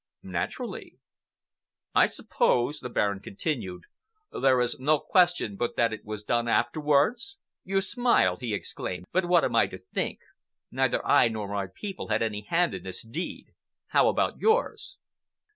"Naturally." "I suppose," the Baron continued, "there is no question but that it was done afterwards? You smile," he exclaimed, "but what am I to think? Neither I nor my people had any hand in this deed. How about yours?"